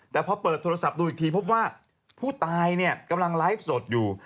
แต่พอเปิดโทรศัพท์ดูอีกทีพบว่าผู้ตายเนี่ยกำลังไลฟ์สดอยู่